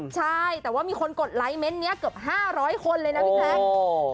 ใช่แต่ว่ามีคนกดไลค์เมนต์นี้เกือบ๕๐๐คนเลยนะพี่แพลง